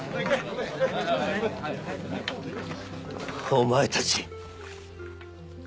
お前たち。